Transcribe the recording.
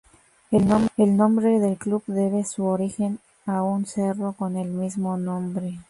El nombre del club debe su origen a un cerro con el mismo nombre.